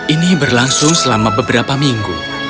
ini berlangsung selama beberapa minggu